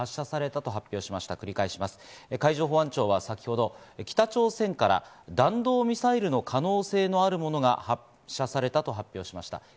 先ほど字幕にもありましたが、海上保安庁は先ほど、北朝鮮から弾道ミサイルの可能性があるものが発射されたと発表しました。